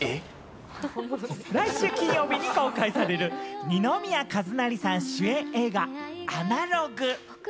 来週金曜日に公開される二宮和也さん主演映画『アナログ』。